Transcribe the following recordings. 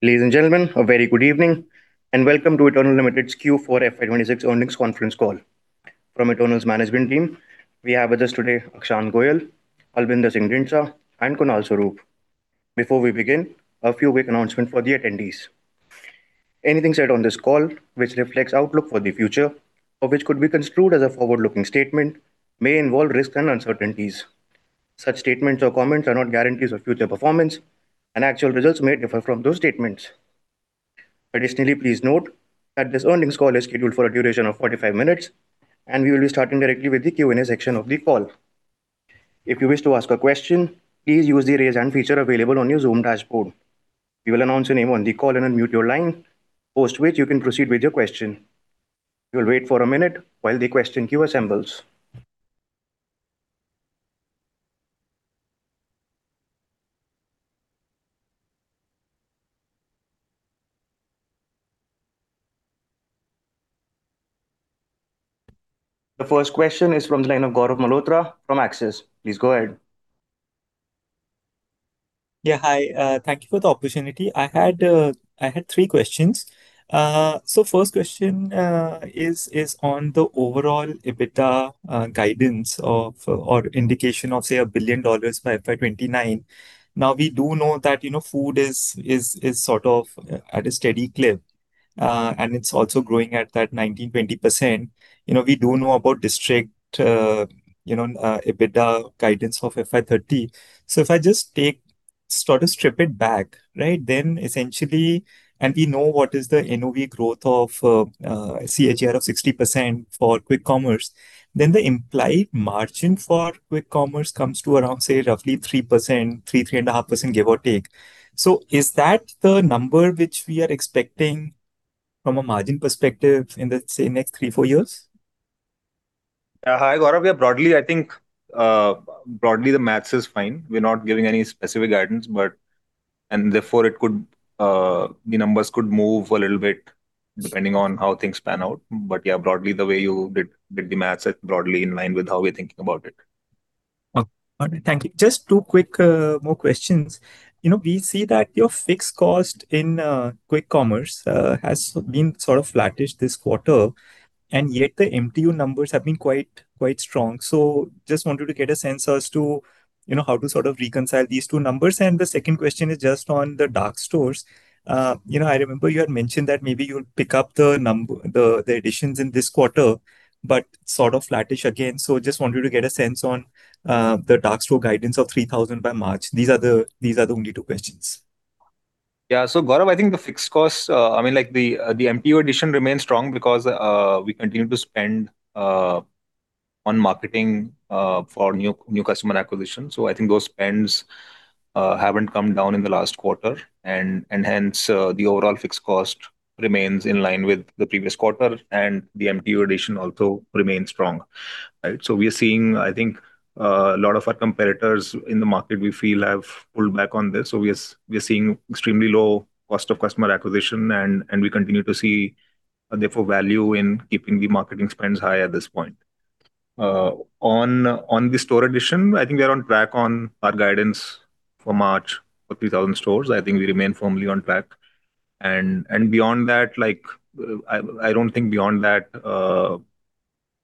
Ladies and gentlemen, a very good evening, and welcome to Eternal Limited's Q4 FY 2026 earnings conference call. From Eternal's Management team, we have with us today Akshant Goyal, Albinder Singh Dhindsa, and Kunal Swarup. Before we begin, a few quick announcements for the attendees. Anything said on this call which reflects outlook for the future or which could be construed as a forward-looking statement may involve risks and uncertainties. Such statements or comments are not guarantees of future performance, and actual results may differ from those statements. Additionally, please note that this earnings call is scheduled for a duration of 45 minutes, and we will be starting directly with the Q&A section of the call. If you wish to ask a question, please use the Raise Hand feature available on your Zoom dashboard. We will announce your name on the call and unmute your line, post which you can proceed with your question. We will wait for a minute while the question queue assembles. The first question is from the line of Gaurav Malhotra from Axis. Please go ahead. Yeah, hi. Thank you for the opportunity. I had three questions. First question is on the overall EBITDA guidance or indication of, say, $1 billion by FY 2029. Now, we do know that, you know, food is sort of at a steady clip, and it is also growing at that 19%, 20%. You know, we do know about District, you know, EBITDA guidance of FY 2030. If I just take, sort of strip it back, right? Essentially, and we know what is the NOV growth of a CAGR of 60% for Quick Commerce. The implied margin for Quick Commerce comes to around, say, roughly 3%, 3.5%, give or take. Is that the number which we are expecting from a margin perspective in the, say, next three, four years? Hi, Gaurav. Yeah, broadly, I think, broadly the math is fine. We're not giving any specific guidance, therefore it could, the numbers could move a little bit depending on how things pan out. Yeah, broadly, the way you did the math is broadly in line with how we're thinking about it. Okay. Thank you. Just two quick more questions. You know, we see that your fixed cost in Quick Commerce has been sort of flattish this quarter, and yet the MTU numbers have been quite strong. Just wanted to get a sense as to, you know, how to sort of reconcile these two numbers. The second question is just on the dark stores. You know, I remember you had mentioned that maybe you'll pick up the additions in this quarter, but sort of flattish again. Just wanted to get a sense on the dark store guidance of 3,000 by March. These are the only two questions. Gaurav, I think the fixed costs, I mean, like, the MTU addition remains strong because we continue to spend on marketing for new customer acquisition. I think those spends haven't come down in the last quarter and hence the overall fixed cost remains in line with the previous quarter, and the MTU addition also remains strong. Right? We are seeing, I think, a lot of our competitors in the market we feel have pulled back on this, so we are seeing extremely low cost of customer acquisition and we continue to see therefore value in keeping the marketing spends high at this point. On the store addition, I think we are on track on our guidance for March for 3,000 stores. I think we remain firmly on track. Beyond that, like, I don't think beyond that,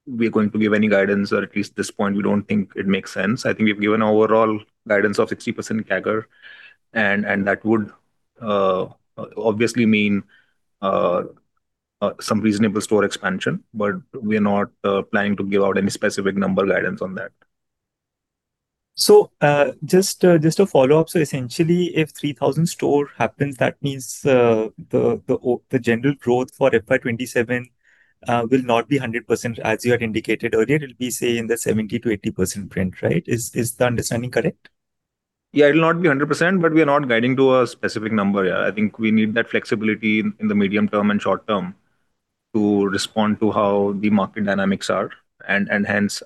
we're going to give any guidance, or at least at this point we don't think it makes sense. I think we've given overall guidance of 60% CAGR and that would obviously mean some reasonable store expansion. We're not planning to give out any specific number guidance on that. Just a follow-up. Essentially, if 3,000 store happens, that means, the general growth for FY 2027 will not be 100% as you had indicated earlier. It'll be, say, in the 70%-80% range, right? Is the understanding correct? Yeah, it'll not be 100%. We are not guiding to a specific number yet. I think we need that flexibility in the medium term and short term to respond to how the market dynamics are. And hence,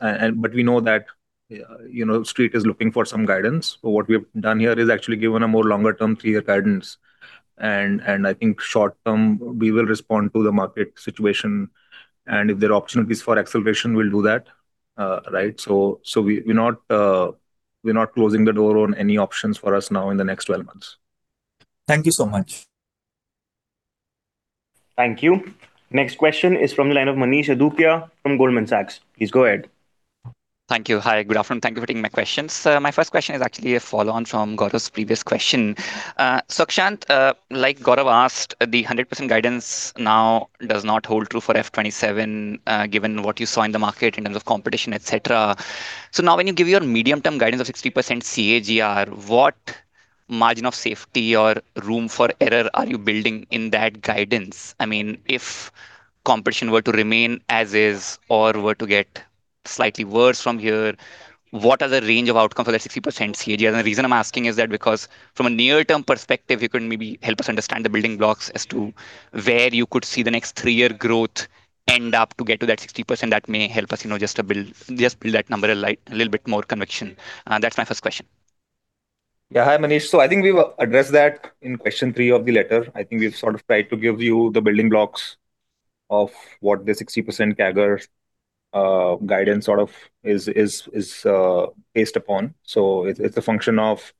we know that, you know, Street is looking for some guidance. What we have done here is actually given a more longer term 3-year guidance. And I think short term we will respond to the market situation, and if there are opportunities for acceleration, we'll do that. Right? So we're not closing the door on any options for us now in the next 12 months. Thank you so much. Thank you. Next question is from the line of Manish Adukia from Goldman Sachs. Please go ahead. Thank you. Hi, good afternoon. Thank you for taking my questions. My first question is actually a follow-on from Gaurav's previous question. Akshant, like Gaurav asked, the 100% guidance now does not hold true for FY 2027, given what you saw in the market in terms of competition, et cetera. Now when you give your medium-term guidance of 60% CAGR, what margin of safety or room for error are you building in that guidance? I mean, if competition were to remain as is or were to get slightly worse from here, what are the range of outcomes for that 60% CAGR? The reason I'm asking is that because from a near-term perspective, you could maybe help us understand the building blocks as to where you could see the next three-year growth end up to get to that 60%. That may help us, you know, just to build that number a little bit more conviction. That's my first question. Yeah. Hi, Manish. I think we've addressed that in question three of the letter. I think we've sort of tried to give you the building blocks of what the 60% CAGR guidance sort of is based upon. It's a function of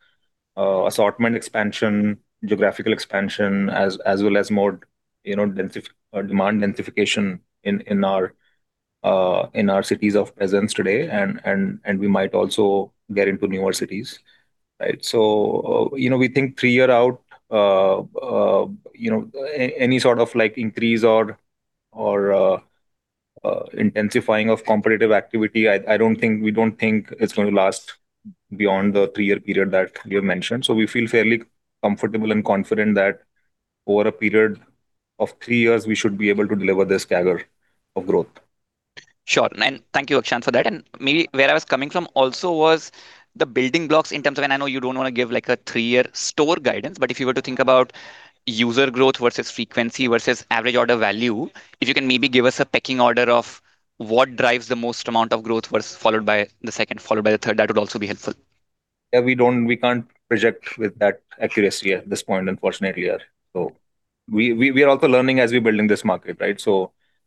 assortment expansion, geographical expansion, as well as more, you know, demand densification in our cities of presence today and we might also get into newer cities, right? You know, we think three year out, you know, any sort of like increase or intensifying of competitive activity, I don't think we don't think it's gonna last beyond the three-year period that we have mentioned. We feel fairly comfortable and confident that over a period of three years we should be able to deliver this CAGR of growth. Sure. Thank you, Akshant, for that. Maybe where I was coming from also was the building blocks in terms of, and I know you don't wanna give, like, a 3-year store guidance, but if you were to think about user growth versus frequency versus average order value, if you can maybe give us a pecking order of what drives the most amount of growth first, followed by the second, followed by the third, that would also be helpful. Yeah, we can't project with that accuracy at this point, unfortunately, yeah. We are also learning as we build in this market, right?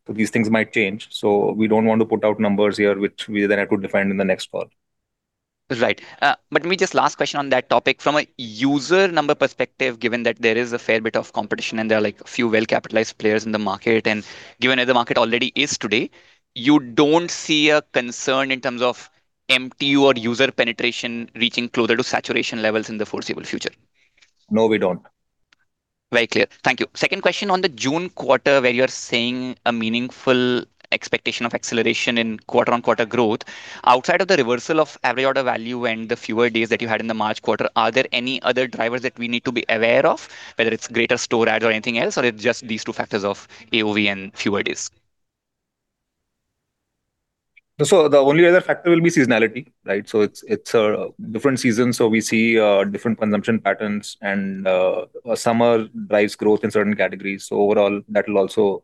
These things might change, so we don't want to put out numbers here which we then have to defend in the next call. Right. Maybe just last question on that topic. From a user number perspective, given that there is a fair bit of competition and there are, like, a few well-capitalized players in the market, and given how the market already is today, you don't see a concern in terms of MTU or user penetration reaching closer to saturation levels in the foreseeable future? No, we don't. Very clear. Thank you. Second question on the June quarter, where you're saying a meaningful expectation of acceleration in quarter-on-quarter growth, outside of the reversal of average order value and the fewer days that you had in the March quarter, are there any other drivers that we need to be aware of, whether it's greater store add or anything else, or it's just these two factors of AOV and fewer days? The only other factor will be seasonality, right? It's a different season, so we see different consumption patterns and summer drives growth in certain categories. Overall, that'll also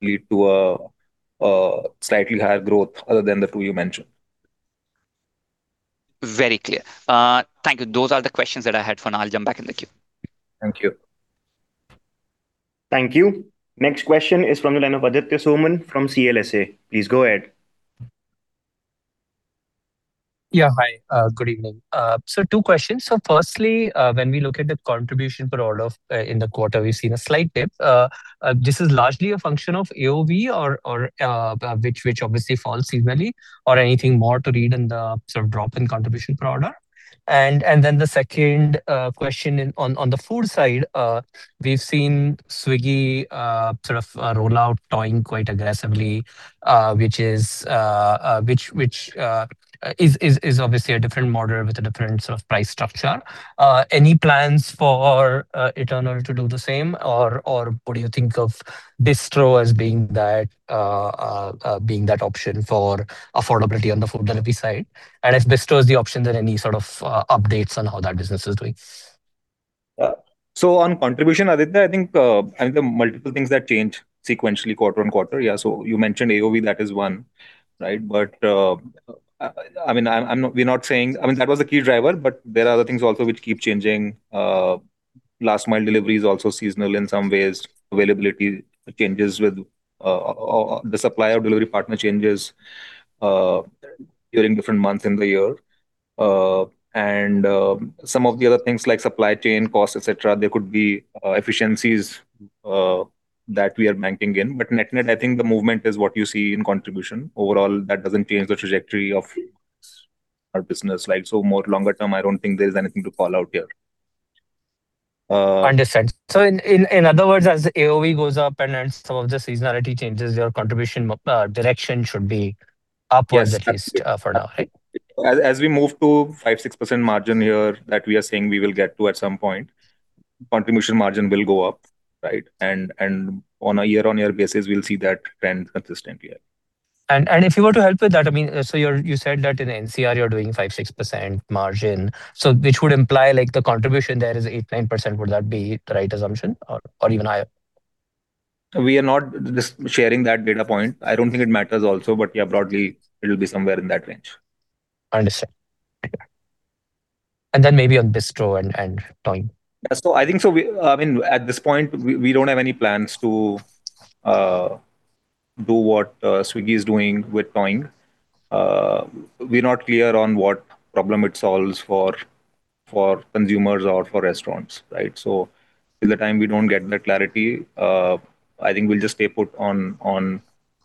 lead to slightly higher growth other than the two you mentioned. Very clear. Thank you. Those are the questions that I had for now. I'll jump back in the queue. Thank you. Thank you. Next question is from the line of Aditya Soman from CLSA. Please go ahead. Hi, good evening. Two questions. Firstly, when we look at the contribution per order in the quarter, we've seen a slight dip. This is largely a function of AOV or which obviously falls seasonally or anything more to read in the sort of drop in contribution per order? Then the second question on the food side, we've seen Swiggy sort of roll out Instamart quite aggressively, which is obviously a different model with a different sort of price structure. Any plans for Eternal to do the same or what do you think of Bistro as being that option for affordability on the Food Delivery side? If Bistro is the option, then any sort of updates on how that business is doing? On contribution, Aditya, I think there are multiple things that change sequentially quarter-on-quarter. Yeah. You mentioned AOV, that is one, right? We're not saying that was the key driver, but there are other things also which keep changing. Last mile delivery is also seasonal in some ways. Availability changes with, or the supply of delivery partner changes during different months in the year. Some of the other things like supply chain costs, et cetera, there could be efficiencies that we are banking in. Net-net, I think the movement is what you see in contribution. Overall that doesn't change the trajectory of our business. More longer term, I don't think there's anything to call out here. Understood. In other words, as the AOV goes up and some of the seasonality changes, your contribution direction should be upwards. Yes. At least, for now, right? As we move to 5%, 6% margin here that we are saying we will get to at some point, contribution margin will go up, right? On a year-on-year basis, we'll see that trend consistent, yeah. If you were to help with that, I mean, you said that in NCR you're doing 5%-6% margin, which would imply, like, the contribution there is 8%-9%. Would that be the right assumption or even higher? We are not just sharing that data point. I don't think it matters also, but yeah, broadly it'll be somewhere in that range. Understood. Then maybe on Bistro and Instamart. I think so we, I mean, at this point we don't have any plans to do what Swiggy is doing with Instamart. We're not clear on what problem it solves for consumers or for restaurants, right? Till the time we don't get that clarity, I think we'll just stay put on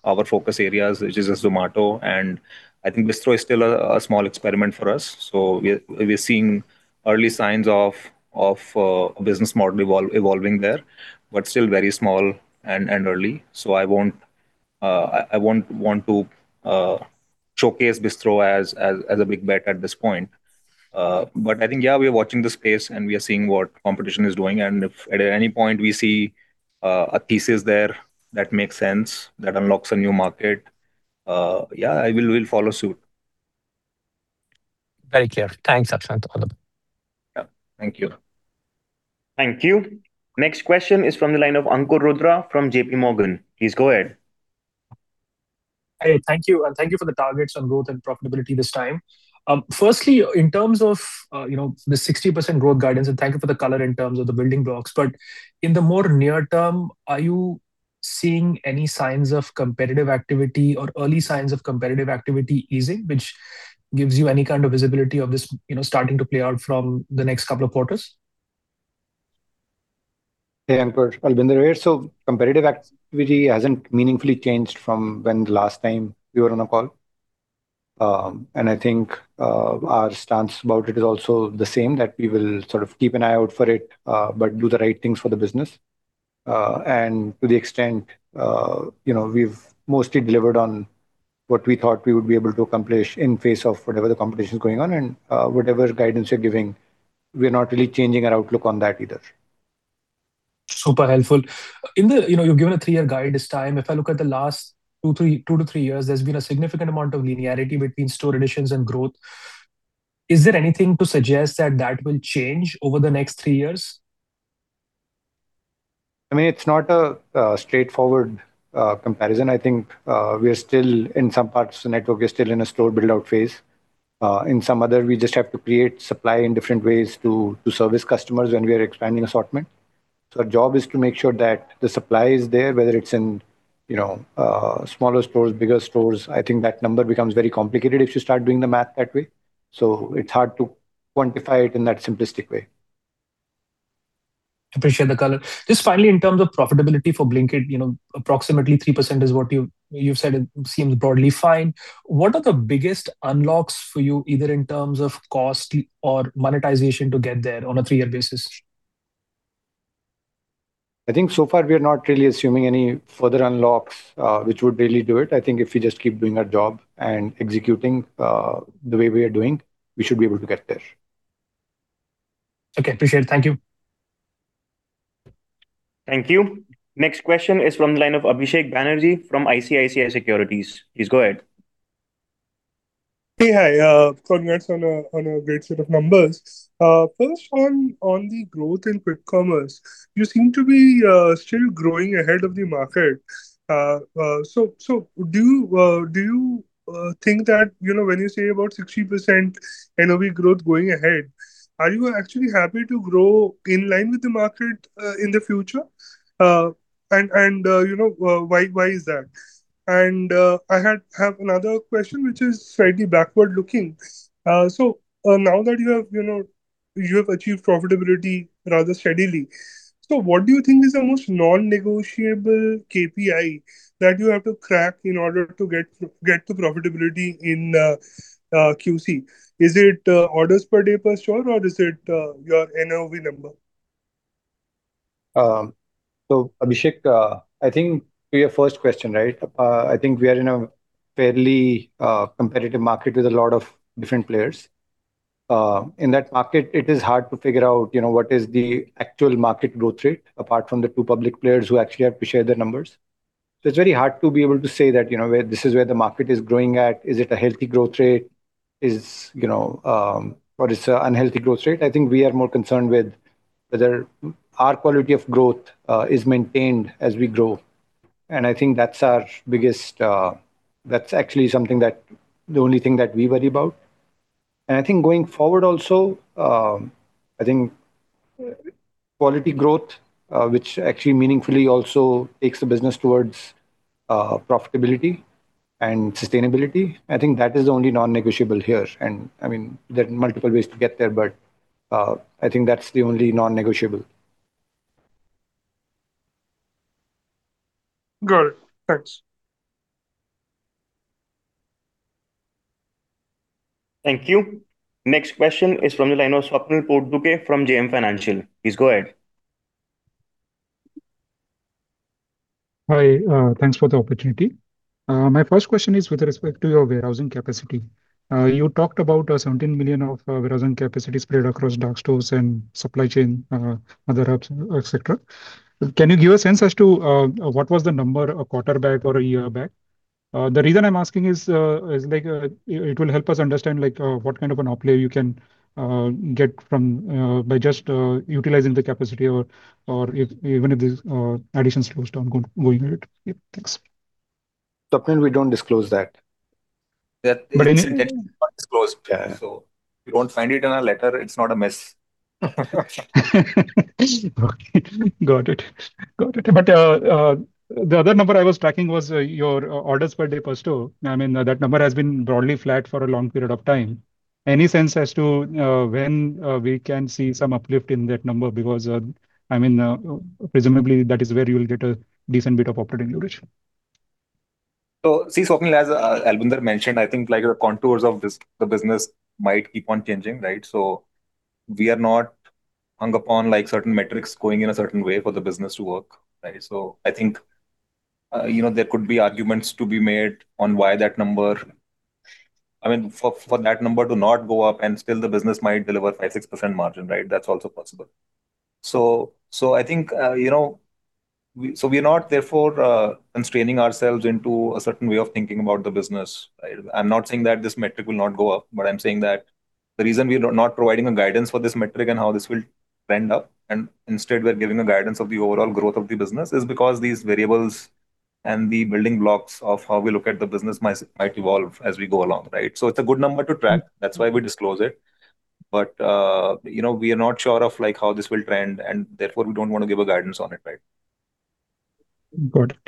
our focus areas, which is Zomato, and I think Bistro is still a small experiment for us. We're seeing early signs of a business model evolving there, but still very small and early. I won't want to showcase Bistro as a big bet at this point. I think we are watching the space and we are seeing what competition is doing, and if at any point we see a thesis there that makes sense, that unlocks a new market, we'll follow suit. Very clear. Thanks, Akshant Goyal. Yeah. Thank you. Thank you. Next question is from the line of Ankur Rudra from JPMorgan. Please go ahead. Hey, thank you. Thank you for the targets on growth and profitability this time. Firstly, in terms of, you know, the 60% growth guidance, and thank you for the color in terms of the building blocks. In the more near term, are you seeing any signs of competitive activity or early signs of competitive activity easing, which gives you any kind of visibility of this, you know, starting to play out from the next couple of quarters? Hey, Ankur. Albinder here. Competitive activity hasn't meaningfully changed from when the last time we were on a call. I think our stance about it is also the same, that we will sort of keep an eye out for it, but do the right things for the business. To the extent, you know, we've mostly delivered on what we thought we would be able to accomplish in face of whatever the competition's going on and whatever guidance you're giving, we're not really changing our outlook on that either. Super helpful. You know, you've given a three-year guide this time. If I look at the last two to three years, there's been a significant amount of linearity between store additions and growth. Is there anything to suggest that that will change over the next three years? I mean, it's not a straightforward comparison. I think, we are still, in some parts the network is still in a store build-out phase. In some other, we just have to create supply in different ways to service customers when we are expanding assortment. Our job is to make sure that the supply is there, whether it's in, you know, smaller stores, bigger stores. I think that number becomes very complicated if you start doing the math that way, so it's hard to quantify it in that simplistic way. Appreciate the color. Just finally, in terms of profitability for Blinkit, you know, approximately 3% is what you've said it seems broadly fine. What are the biggest unlocks for you, either in terms of cost or monetization to get there on a 3-year basis? I think so far we are not really assuming any further unlocks, which would really do it. I think if we just keep doing our job and executing, the way we are doing, we should be able to get there. Okay. Appreciate it. Thank you. Thank you. Next question is from the line of Abhisek Banerjee from ICICI Securities. Please go ahead. Hey. Hi. Congrats on a great set of numbers. First one on the growth in Quick Commerce, you seem to be still growing ahead of the market. Do you think that, you know, when you say about 60% NOV growth going ahead, are you actually happy to grow in line with the market in the future? Why is that? I have another question, which is slightly backward-looking. Now that you have, you know, you have achieved profitability rather steadily, what do you think is the most non-negotiable KPI that you have to crack in order to get to profitability in QC? Is it orders per day per store or is it your NOV number? Abhisek, I think to your first question, right? I think we are in a fairly competitive market with a lot of different players. In that market, it is hard to figure out, you know, what is the actual market growth rate, apart from the two public players who actually have to share their numbers. It's very hard to be able to say that, you know, this is where the market is growing at. Is it a healthy growth rate? Or it's an unhealthy growth rate. I think we are more concerned with whether our quality of growth is maintained as we grow. I think that's our biggest, the only thing that we worry about. I think going forward also, I think quality growth, which actually meaningfully also takes the business towards profitability and sustainability, I think that is the only non-negotiable here. I mean, there are multiple ways to get there, but I think that's the only non-negotiable. Got it. Thanks. Thank you. Next question is from the line of Swapnil Potdukhe from JM Financial. Please go ahead. Hi. Thanks for the opportunity. My first question is with respect to your warehousing capacity. You talked about 17 million sq ft of warehousing capacity spread across dark stores and supply chain, other hubs, et cetera. Can you give a sense as to what was the number a quarter back or a year back? The reason I'm asking is it will help us understand what kind of an uplift you can get from by just utilizing the capacity or even if there's additions to those ongoing rate. Yeah. Thanks. Swapnil, we don't disclose that. Yeah. You won't find it in our letter, it's not a miss. Okay. Got it. Got it. The other number I was tracking was your orders per day per store. I mean, that number has been broadly flat for a long period of time. Any sense as to when we can see some uplift in that number? Because, I mean, presumably that is where you'll get a decent bit of operating leverage. See, Swapnil, as Albinder mentioned, I think like the contours of this, the business might keep on changing, right? We are not hung up on, like, certain metrics going in a certain way for the business to work, right? I think, you know, there could be arguments to be made on why that number. I mean, for that number to not go up and still the business might deliver 5%, 6% margin, right? That's also possible. We are not therefore constraining ourselves into a certain way of thinking about the business. I'm not saying that this metric will not go up, but I'm saying that t he reason we are not providing a guidance for this metric and how this will end up, and instead we're giving a guidance of the overall growth of the business, is because these variables and the building blocks of how we look at the business might evolve as we go along, right? It's a good number to track, that's why we disclose it. You know, we are not sure of, like, how this will trend, and therefore we don't wanna give a guidance on it, right? Got it.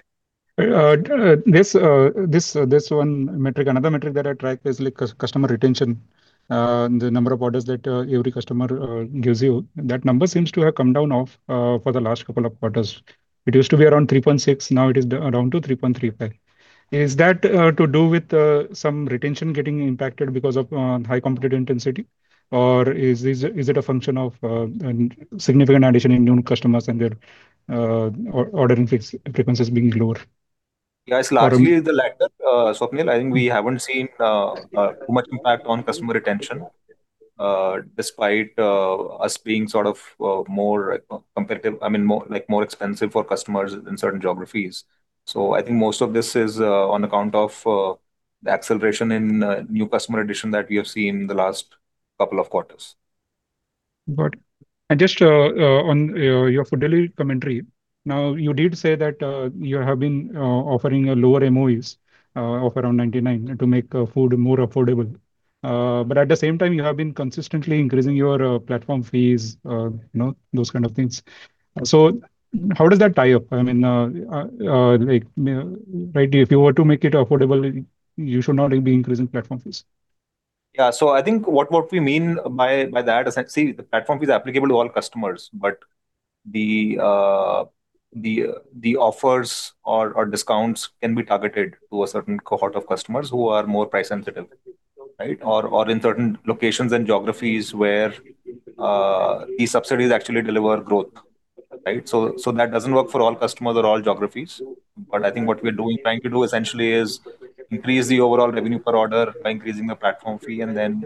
This one metric, another metric that I track is, like, customer retention, the number of orders that every customer gives you. That number seems to have come down off for the last couple of quarters. It used to be around 3.6, now it is around to 3.3. Is that to do with some retention getting impacted because of high competitive intensity? Or is it a function of a significant addition in new customers and their ordering frequencies being lower? Yeah. It's largely the latter, Swapnil. I think we haven't seen much impact on customer retention, despite us being sort of more, I mean, more, like, more expensive for customers in certain geographies. I think most of this is on account of the acceleration in new customer addition that we have seen in the last couple of quarters. Got it. Just on your Food Delivery commentary. You did say that you have been offering a lower MOVs of around 99 to make food more affordable. But at the same time you have been consistently increasing your platform fees, you know, those kind of things. How does that tie up? I mean, like, you know, right, if you were to make it affordable, you should not be increasing platform fees. Yeah. I think what we mean by that is that, see, the platform fee is applicable to all customers, but the offers or discounts can be targeted to a certain cohort of customers who are more price-sensitive, right? Or in certain locations and geographies where these subsidies actually deliver growth, right? That doesn't work for all customers or all geographies. I think what we're trying to do essentially is increase the overall revenue per order by increasing the platform fee, and then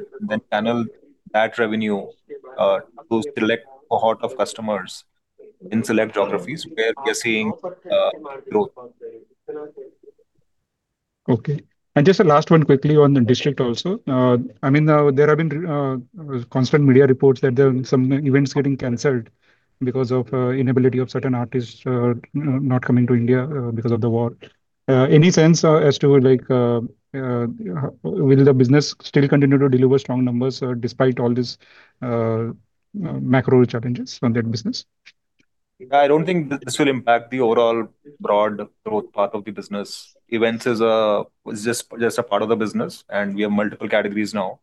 channel that revenue to select cohort of customers in select geographies where we are seeing growth. Okay. Just the last one quickly on the District also. I mean, there have been constant media reports that there are some events getting canceled because of inability of certain artists not coming to India because of the war. Any sense as to, like, will the business still continue to deliver strong numbers despite all this macro challenges from that business? Yeah. I don't think this will impact the overall broad growth part of the business. Events is just a part of the business, and we have multiple categories now.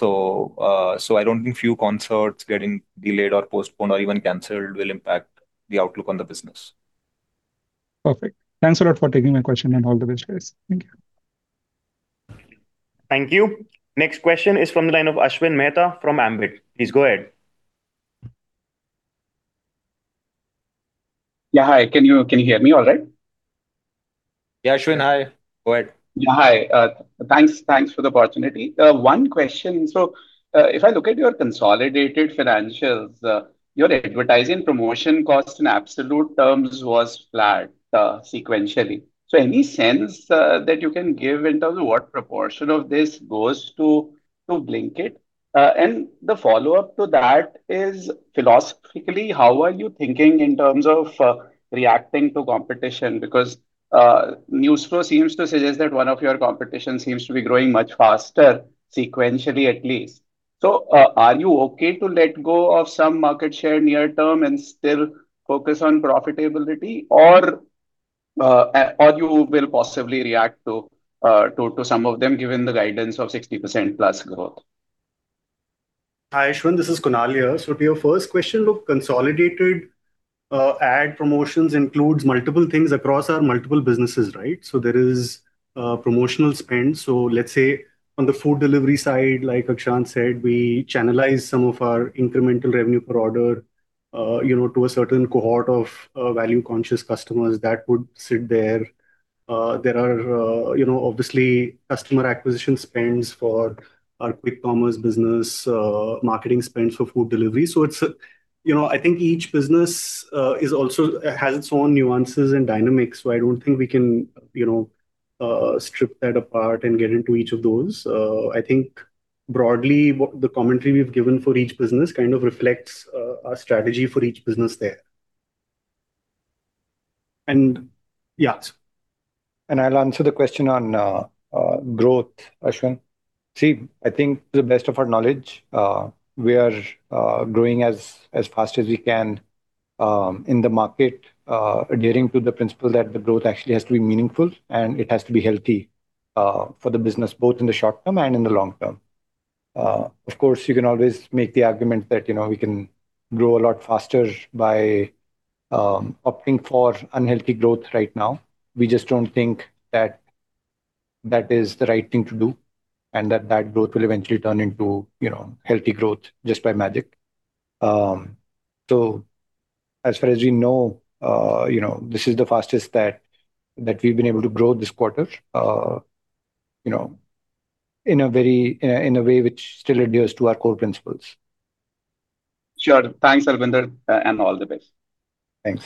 I don't think few concerts getting delayed or postponed or even canceled will impact the outlook on the business. Perfect. Thanks a lot for taking my question. All the best, guys. Thank you. Thank you. Next question is from the line of Ashwin Mehta from Ambit. Please go ahead. Yeah. Hi. Can you hear me all right? Yeah, Ashwin, hi. Go ahead. Yeah. Hi. Thanks for the opportunity. One question. If I look at your consolidated financials, your advertising promotion cost in absolute terms was flat sequentially. Any sense that you can give in terms of what proportion of this goes to Blinkit? The follow-up to that is, philosophically, how are you thinking in terms of reacting to competition? News flow seems to suggest that one of your competition seems to be growing much faster, sequentially at least. Are you okay to let go of some market share near term and still focus on profitability? Or you will possibly react to some of them given the guidance of 60% plus growth? Hi, Ashwin Mehta. This is Kunal Swarup here. To your first question, look, consolidated ad promotions includes multiple things across our multiple businesses, right? There is promotional spend. Let's say on the Food Delivery side, like Akshant said, we channelize some of our incremental revenue per order, you know, to a certain cohort of value-conscious customers that would sit there. There are, you know, obviously customer acquisition spends for our Quick Commerce business, marketing spends for Food Delivery. It's, you know, I think each business has its own nuances and dynamics. I don't think we can, you know, strip that apart and get into each of those. I think broadly the commentary we've given for each business kind of reflects our strategy for each business there. And- Yeah. I'll answer the question on growth, Ashwin. See, I think to the best of our knowledge, we are growing as fast as we can in the market, adhering to the principle that the growth actually has to be meaningful and it has to be healthy for the business, both in the short term and in the long term. Of course, you can always make the argument that, you know, we can grow a lot faster by opting for unhealthy growth right now. We just don't think that that is the right thing to do, and that that growth will eventually turn into, you know, healthy growth just by magic. As far as we know, you know, this is the fastest that we've been able to grow this quarter, you know, in a way which still adheres to our core principles. Sure. Thanks, Albinder, and all the best. Thanks.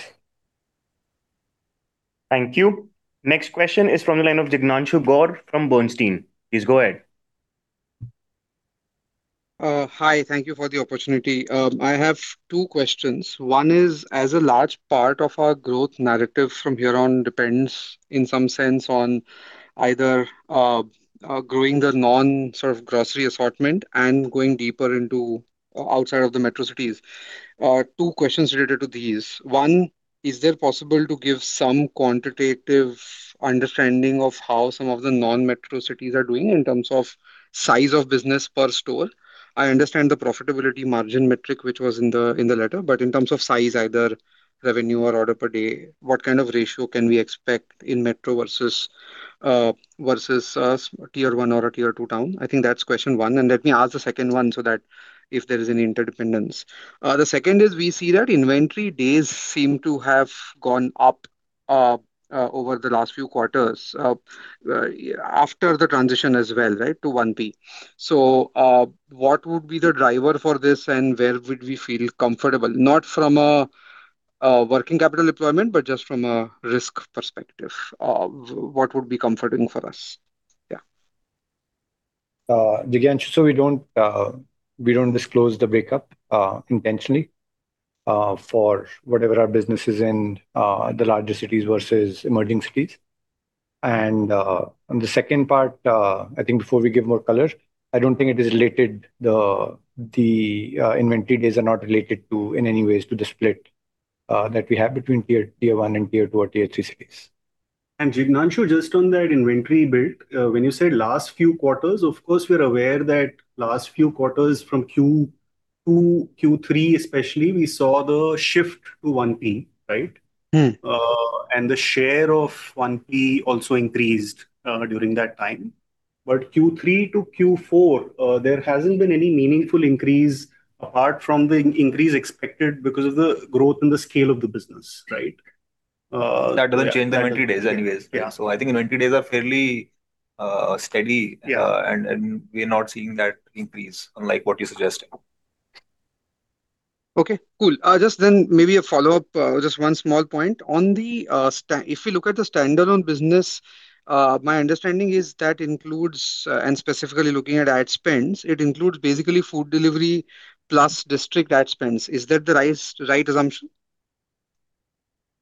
Thank you. Next question is from the line of Jignanshu Gor from Bernstein. Please go ahead. Hi, thank you for the opportunity. I have two questions. One is, as a large part of our growth narrative from here on depends in some sense on either growing the non-,sort of, grocery assortment and going deeper into outside of the metro cities. Two questions related to these. One, is there possible to give some quantitative understanding of how some of the non-metro cities are doing in terms of size of business per store? I understand the profitability margin metric which was in the letter, but in terms of size, either revenue or order per day, what kind of ratio can we expect in metro versus versus Tier 1 or a Tier 2 town? I think that's question 1. Let me ask the second one so that if there is any interdependence. The second is we see that inventory days seem to have gone up over the last few quarters after the transition as well, right, to 1P? What would be the driver for this and where would we feel comfortable, not from a working capital deployment, but just from a risk perspective? What would be comforting for us? Jignanshu Gor, we don't, we don't disclose the breakup intentionally for whatever our business is in the larger cities versus emerging cities. On the second part, I think before we give more color, I don't think it is related, the inventory days are not related to in any ways to the split that we have between Tier 1 and Tier 2 or Tier 3 cities. Jignanshu, just on that inventory build, when you say last few quarters, of course we're aware that last few quarters from Q2, Q3 especially, we saw the shift to 1P, right? The share of 1P also increased, during that time. Q3 to Q4, there hasn't been any meaningful increase apart from the increase expected because of the growth and the scale of the business, right? That doesn't change the inventory days anyways. I think inventory days are fairly steady. We're not seeing that increase unlike what you're suggesting. Okay, cool. Just then maybe a follow-up, just one small point. On the, if we look at the standalone business, my understanding is that includes, and specifically looking at ad spends, it includes basically Food Delivery plus District ad spends. Is that the right assumption?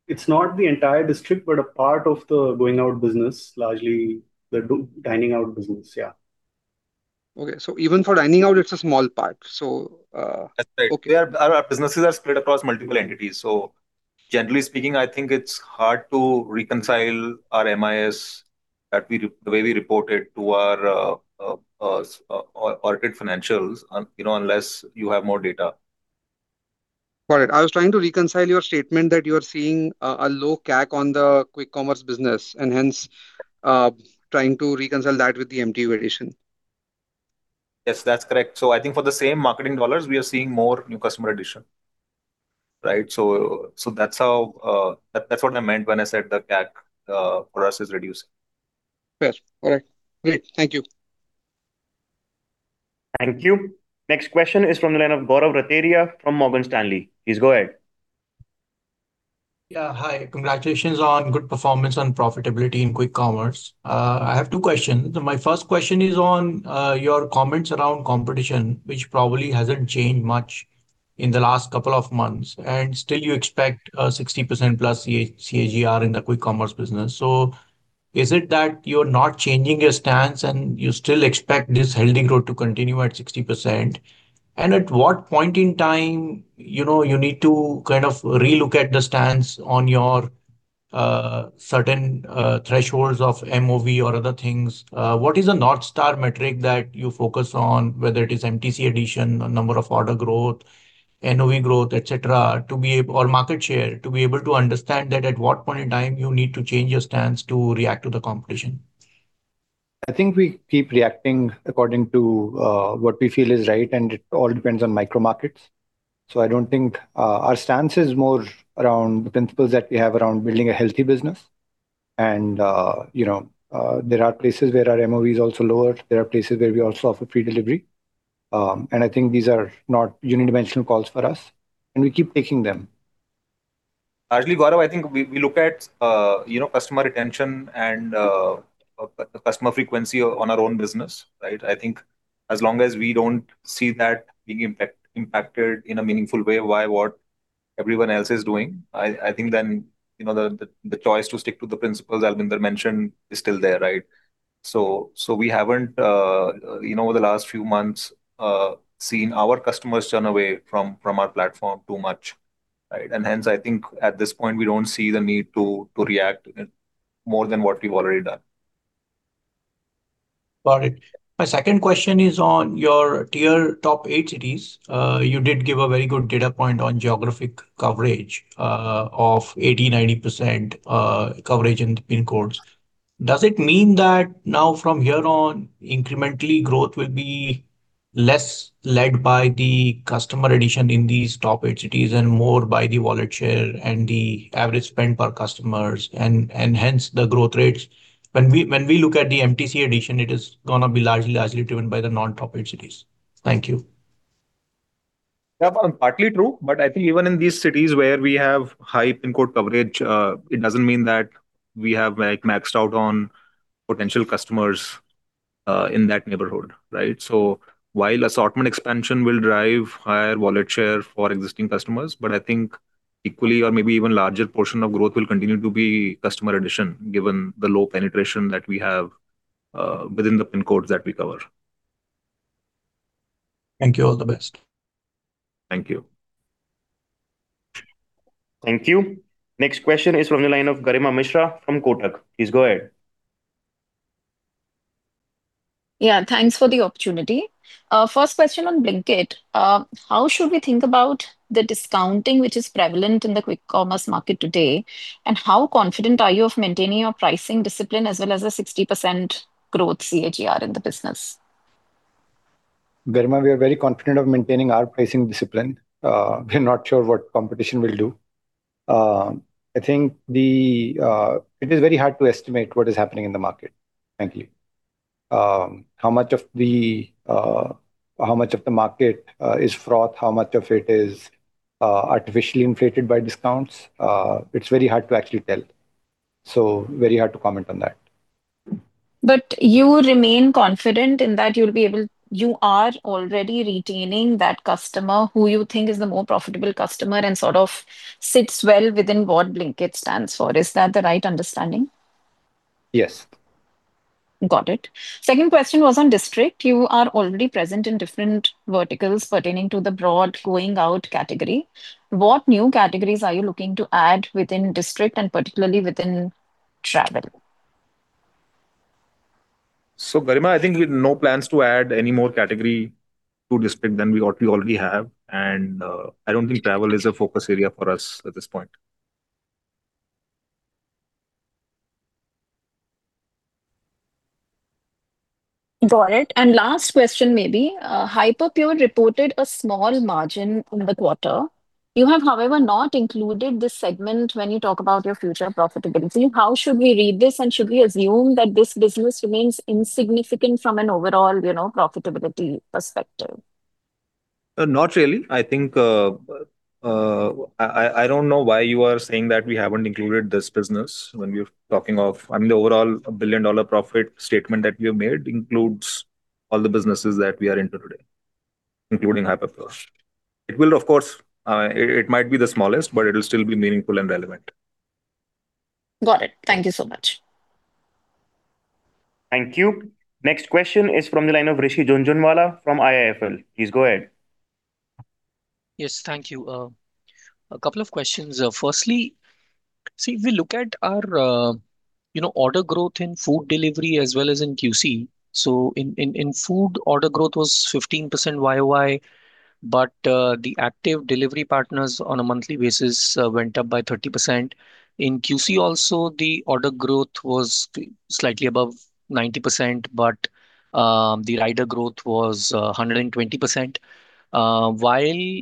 It's not the entire District, but a part of the going out business, largely the dining out business. Yeah. Okay. Even for dining out, it's a small part. That's right. Okay. Our businesses are spread across multiple entities, so generally speaking, I think it's hard to reconcile our MIS that we the way we report it to our audit financials you know, unless you have more data. Got it. I was trying to reconcile your statement that you're seeing a low CAC on the Quick Commerce business and hence, trying to reconcile that with the MTU addition. Yes, that's correct. I think for the same marketing dollars, we are seeing more new customer addition. Right. That's how, that's what I meant when I said the CAC for us is reducing. Yes. All right. Great. Thank you. Thank you. Next question is from the line of Gaurav Rateria from Morgan Stanley. Please go ahead. Yeah, hi. Congratulations on good performance on profitability in Quick Commerce. I have two questions. My first question is on your comments around competition, which probably hasn't changed much in the last couple of months, and still you expect a 60% plus CAGR in the Quick Commerce business. Is it that you're not changing your stance and you still expect this healthy growth to continue at 60%? At what point in time, you know, you need to kind of relook at the stance on your certain thresholds of MOV or other things? What is the North Star metric that you focus on, whether it is MTU addition or number of order growth, NOV growth, et cetera, or market share, to be able to understand that at what point in time you need to change your stance to react to the competition? I think we keep reacting according to what we feel is right and it all depends on micro markets. Our stance is more around the principles that we have around building a healthy business and, you know, there are places where our MOV is also lower. There are places where we also offer free delivery. I think these are not uni-dimensional calls for us, and we keep taking them. Largely, Gaurav, I think we look at, you know, customer retention and customer frequency on our own business, right? I think as long as we don't see that being impacted in a meaningful way by what everyone else is doing, I think then, you know, the choice to stick to the principles Albinder mentioned is still there, right? We haven't, you know, over the last few months, seen our customers turn away from our platform too much, right? Hence, I think at this point we don't see the need to react more than what we've already done. Got it. My second question is on your Tier top 8 cities. You did give a very good data point on geographic coverage of 80%, 90% coverage in pin codes. Does it mean that now from here on, incrementally growth will be less led by the customer addition in these top eight cities and more by the wallet share and the average spend per customers and hence the growth rates, when we look at the MTU addition, it is gonna be largely driven by the non-top eight cities? Thank you. Partly true, but I think even in these cities where we have high pin code coverage, it doesn't mean that we have like maxed out on potential customers in that neighborhood, right? While assortment expansion will drive higher wallet share for existing customers, I think equally or maybe even larger portion of growth will continue to be customer addition given the low penetration that we have within the pin codes that we cover. Thank you. All the best. Thank you. Thank you. Next question is from the line of Garima Mishra from Kotak. Please go ahead. Yeah, thanks for the opportunity. First question on Blinkit. How should we think about the discounting which is prevalent in the Quick Commerce market today, and how confident are you of maintaining your pricing discipline as well as the 60% growth CAGR in the business? Garima, we are very confident of maintaining our pricing discipline. We're not sure what competition will do. It is very hard to estimate what is happening in the market, frankly. How much of the market is fraud, how much of it is artificially inflated by discounts, it's very hard to actually tell. Very hard to comment on that. You remain confident in that you are already retaining that customer who you think is the more profitable customer and sort of sits well within what Blinkit stands for. Is that the right understanding? Yes. Got it. Second question was on District. You are already present in different verticals pertaining to the broad going out category. What new categories are you looking to add within District and particularly within travel? Garima, I think we've no plans to add any more category to District than we already have. I don't think travel is a focus area for us at this point. Got it. Last question maybe, Hyperpure reported a small margin in the quarter. You have, however, not included this segment when you talk about your future profitability. How should we read this, and should we assume that this business remains insignificant from an overall, you know, profitability perspective? Not really. I think, I don't know why you are saying that we haven't included this business when we're talking of. I mean, the overall a billion-dollar profit statement that we have made includes all the businesses that we are into today, including Hyperpure. It will of course, it might be the smallest, but it'll still be meaningful and relevant. Got it. Thank you so much. Thank you. Next question is from the line of Rishi Jhunjhunwala from IIFL. Please go ahead. Yes. Thank you. A couple of questions. Firstly, see, if we look at our, you know, order growth in Food Delivery as well as in QC. In food, order growth was 15% YOY, the active delivery partners on a monthly basis went up by 30%. In QC also, the order growth was slightly above 90%, the rider growth was 120%. While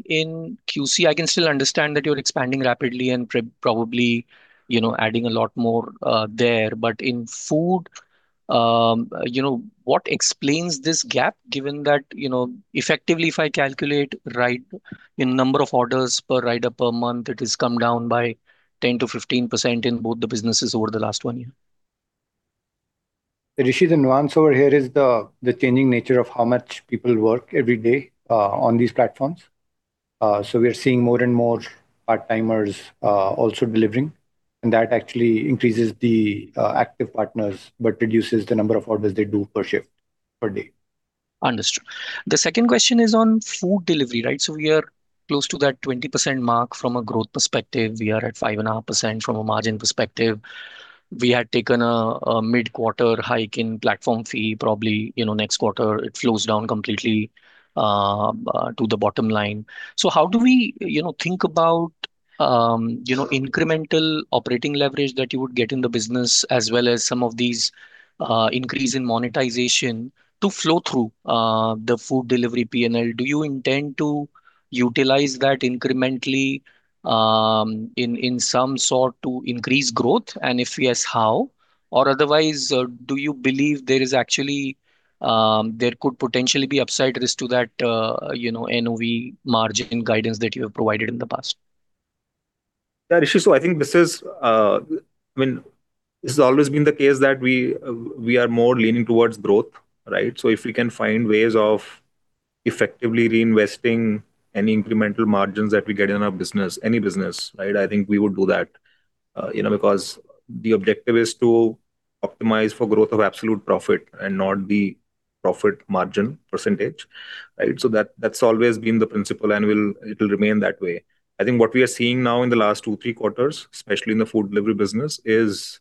in QC I can still understand that you're expanding rapidly and probably, you know, adding a lot more there. In food, you know, what explains this gap given that, you know, effectively if I calculate in number of orders per rider per month, it has come down by 10%-15% in both the businesses over the last one year. Rishi, the nuance over here is the changing nature of how much people work every day on these platforms. We are seeing more and more part-timers also delivering, and that actually increases the active partners, but reduces the number of orders they do per shift per day. Understood. The second question is on Food Delivery, right? We are close to that 20% mark from a growth perspective. We are at 5.5% from a margin perspective. We had taken a mid-quarter hike in platform fee, probably, you know, next quarter it flows down completely to the bottom line. How do we, you know, think about, you know, incremental operating leverage that you would get in the business as well as some of these increase in monetization to flow through the Food Delivery P&L? Do you intend to utilize that incrementally in some sort to increase growth? If yes, how? Otherwise, do you believe there is actually there could potentially be upside risk to that, you know, NOV margin guidance that you have provided in the past? Rishi, I think this is, I mean, this has always been the case that we are more leaning towards growth, right? If we can find ways of effectively reinvesting any incremental margins that we get in our business, any business, right? I think we would do that. You know, because the objective is to optimize for growth of absolute profit and not the profit margin percentage, right? That, that's always been the principle and it'll remain that way. I think what we are seeing now in the last two, three quarters, especially in the Food Delivery business, is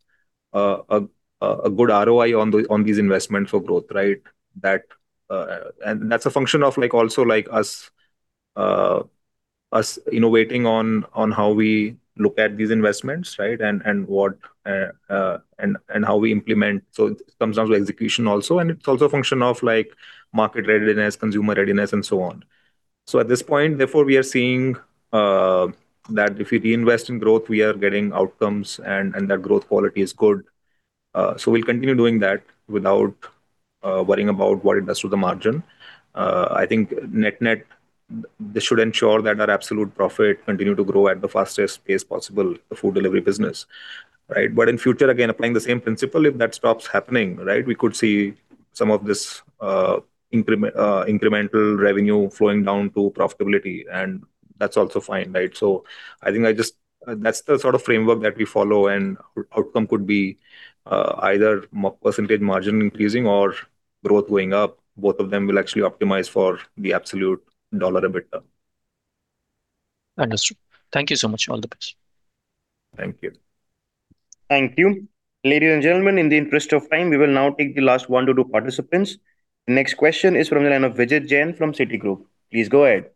a good ROI on these investments for growth, right? That, and that's a function of like also like us innovating on how we look at these investments, right? What and how we implement. It comes down to execution also, and it's also a function of like market readiness, consumer readiness, and so on. At this point, therefore, we are seeing that if we reinvest in growth, we are getting outcomes and that growth quality is good. We'll continue doing that without worrying about what it does to the margin. I think net-net, this should ensure that our absolute profit continue to grow at the fastest pace possible for Food Delivery business, right? In future, again, applying the same principle, if that stops happening, right, we could see some of this incremental revenue flowing down to profitability, and that's also fine, right? I think that's the sort of framework that we follow and outcome could be either percentage margin increasing or growth going up. Both of them will actually optimize for the absolute dollar EBITDA. Understood. Thank you so much. All the best. Thank you. Thank you. Ladies and gentlemen, in the interest of time, we will now take the last 1-2 participants. The next question is from the line of Vijit Jain from Citigroup. Please go ahead.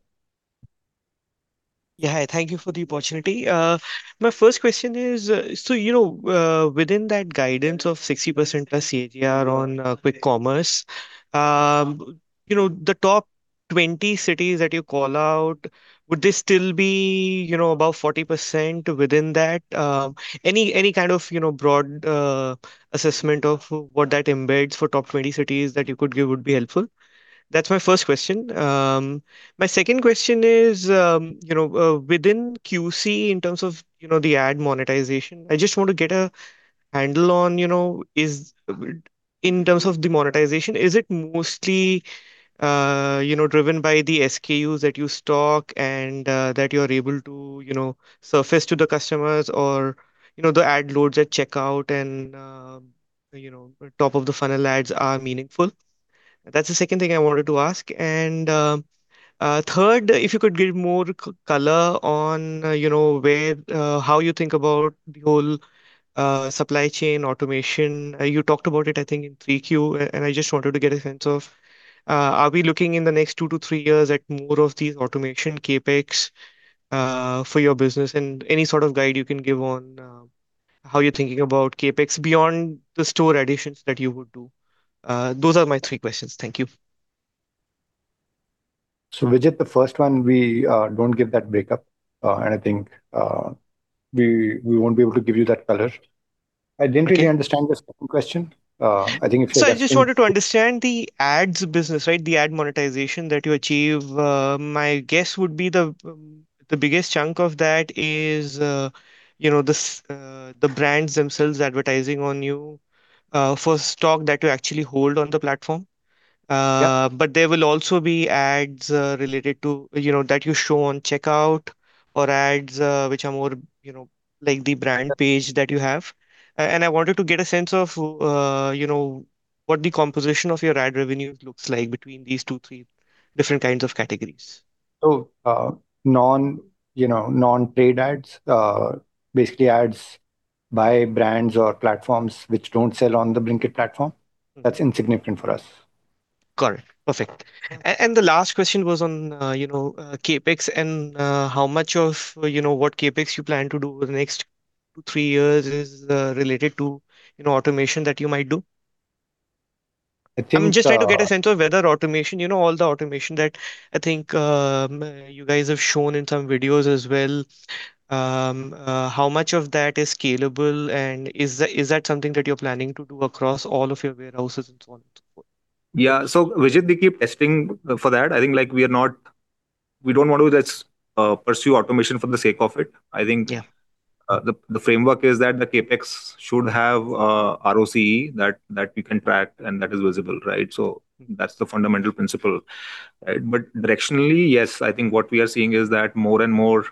Thank you for the opportunity. My first question is, you know, within that guidance of 60% plus CAGR on Quick Commerce, you know, the top 20 cities that you call out, would they still be, you know, above 40% within that? Any kind of, you know, broad assessment of what that embeds for top 20 cities that you could give would be helpful. That's my first question. My second question is, within QC in terms of the ad monetization, I just want to get a handle on, in terms of the monetization, is it mostly driven by the SKUs that you stock and that you're able to surface to the customers or the ad loads at checkout and top of the funnel ads are meaningful? That's the second thing I wanted to ask. Third, if you could give more color on where how you think about the whole supply chain automation. You talked about it, I think, in 3Q, and I just wanted to get a sense of, are we looking in the next 2-3 years at more of these automation CapEx for your business? Any sort of guide you can give on how you're thinking about CapEx beyond the store additions that you would do. Those are my three questions. Thank you. Vijit, the first one, we don't give that breakup. I think we won't be able to give you that color. I didn't really understand the second question. I think if you're asking. I just wanted to understand the ads business, right? The ad monetization that you achieve. My guess would be the biggest chunk of that is, you know, the brands themselves advertising on you for stock that you actually hold on the platform. Yeah. There will also be ads, related to, you know, that you show on checkout or ads, which are more, you know, like the brand page that you have. I wanted to get a sense of, you know, what the composition of your ad revenue looks like between these two, three different kinds of categories. you know, non-paid ads, basically ads by brands or platforms which don't sell on the Blinkit platform. That's insignificant for us. Got it. Perfect. The last question was on, you know, CapEx and, how much of, you know, what CapEx you plan to do over the next two, three years is, related to, you know, automation that you might do. I think. I'm just trying to get a sense of whether automation, you know, all the automation that I think, you guys have shown in some videos as well, how much of that is scalable and is that something that you're planning to do across all of your warehouses and so on and so forth? Yeah. Vijit, we keep testing for that. I think, like, we don't want to just pursue automation for the sake of it. I think. The framework is that the CapEx should have ROCE that we can track and that is visible. That's the fundamental principle. Directionally, yes, I think what we are seeing is that more and more,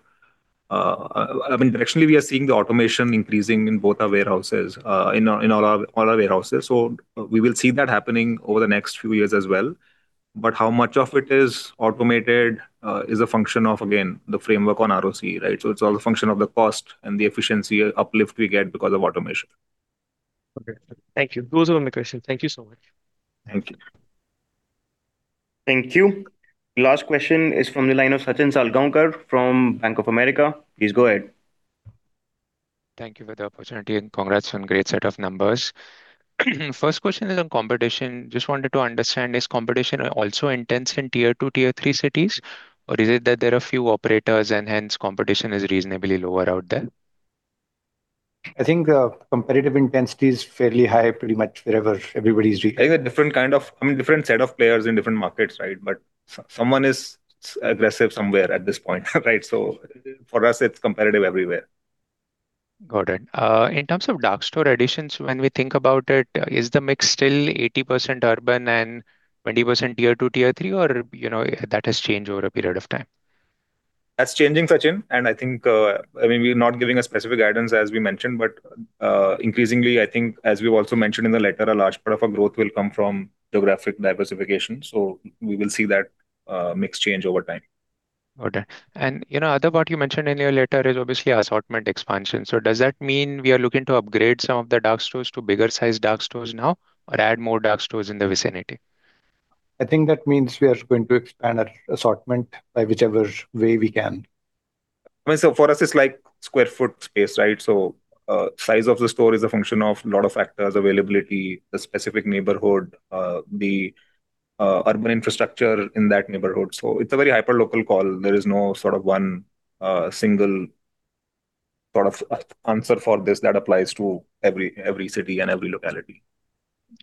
directionally, we are seeing the automation increasing in both our warehouses, in all our warehouses. We will see that happening over the next few years as well. How much of it is automated is a function of, again, the framework on ROCE. It's all the function of the cost and the efficiency uplift we get because of automation. Okay. Thank you. Those are all my questions. Thank you so much. Thank you. Thank you. Last question is from the line of Sachin Salgaonkar from Bank of America. Please go ahead. Thank you for the opportunity, and congrats on great set of numbers. First question is on competition. Just wanted to understand, is competition also intense in Tier 2, Tier 3 cities, or is it that there are few operators and hence competition is reasonably lower out there? I think, competitive intensity is fairly high pretty much wherever everybody's. I mean, different set of players in different markets, right? Someone is aggressive somewhere at this point, right? For us, it's competitive everywhere. Got it. In terms of dark store additions, when we think about it, is the mix still 80% urban and 20% Tier 2, Tier 3, or, you know, that has changed over a period of time? That's changing, Sachin. I think, I mean, we're not giving a specific guidance, as we mentioned, but increasingly, I think, as we've also mentioned in the letter, a large part of our growth will come from geographic diversification. We will see that mix change over time. Okay. You know, other part you mentioned in your letter is obviously assortment expansion. Does that mean we are looking to upgrade some of the dark stores to bigger size dark stores now or add more dark stores in the vicinity? I think that means we are going to expand our assortment by whichever way we can. I mean, for us, it's like square foot space, right? Size of the store is a function of a lot of factors, availability, the specific neighborhood, the urban infrastructure in that neighborhood. It's a very hyperlocal call. There is no sort of one single sort of answer for this that applies to every city and every locality.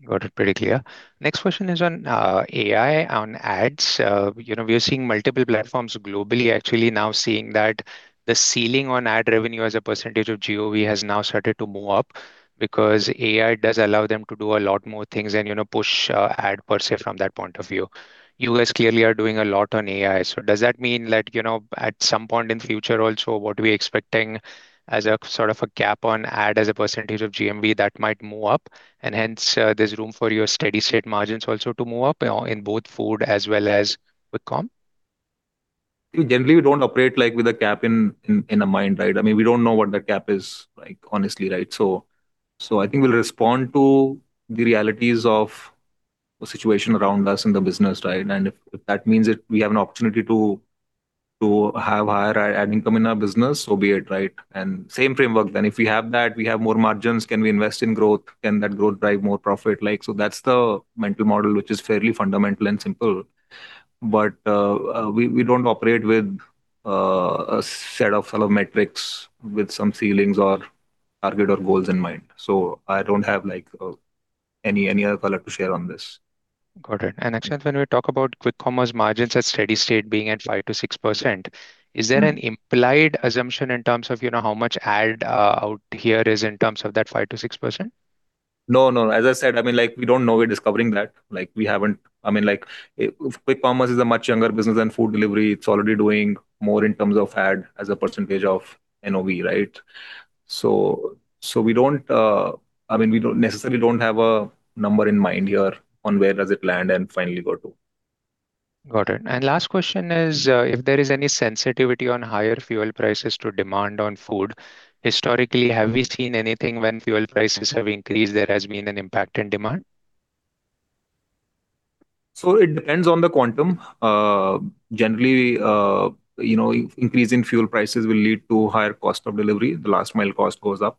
Got it. Pretty clear. Next question is on AI on ads. You know, we are seeing multiple platforms globally actually now seeing that the ceiling on ad revenue as a percentage of GOV has now started to move up, because AI does allow them to do a lot more things and, you know, push ad per se from that point of view. You guys clearly are doing a lot on AI. Does that mean that, you know, at some point in future also, what we're expecting as a sort of a cap on ad as a percentage of GMV, that might move up and hence, there's room for your steady state margins also to move up in both food as well as quick com? Generally, we don't operate, like, with a cap in the mind, right? I mean, we don't know what the cap is like, honestly, right? I think we'll respond to the realities of the situation around us in the business, right? If that means that we have an opportunity to have higher ad income in our business, so be it, right? Same framework then. If we have that, we have more margins, can we invest in growth? Can that growth drive more profit? Like, that's the mental model, which is fairly fundamental and simple. We don't operate with a set of hollow metrics with some ceilings or target or goals in mind. I don't have, like, any other color to share on this. Got it. Actually, when we talk about Quick Commerce margins at steady state being at 5%-6%, is there an implied assumption in terms of, you know, how much ad out here is in terms of that 5%-6%? No, no. As I said, I mean, like, we don't know we're discovering that. Like, I mean, like, Quick Commerce is a much younger business than Food Delivery. It's already doing more in terms of ad as a percentage of NOV, right? I mean, we don't necessarily don't have a number in mind here on where does it land and finally go to. Got it. Last question is, if there is any sensitivity on higher fuel prices to demand on food. Historically, have we seen anything when fuel prices have increased, there has been an impact in demand? It depends on the quantum. Generally, you know, increase in fuel prices will lead to higher cost of delivery. The last mile cost goes up,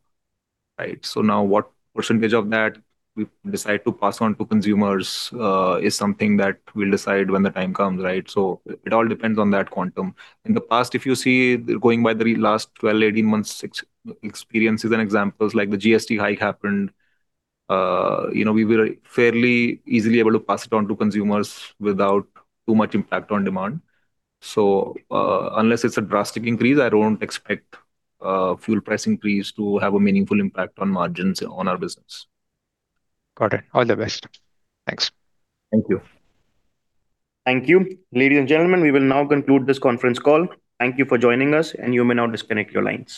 right? Now what percentage of that we decide to pass on to consumers is something that we'll decide when the time comes, right? It all depends on that quantum. In the past, if you see, going by the last 12, 18 months ex-experiences and examples, like the GST hike happened, you know, we were fairly easily able to pass it on to consumers without too much impact on demand. Unless it's a drastic increase, I don't expect fuel price increase to have a meaningful impact on margins on our business. Got it. All the best. Thanks. Thank you. Thank you. Ladies and gentlemen, we will now conclude this conference call. Thank you for joining us and you may now disconnect your lines.